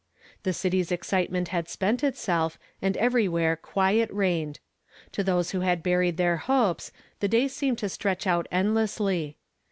The city's excitement had spent itself, and every where quiet reigned. To those who had buried their hopes, the day seemed to stretch out end lessly.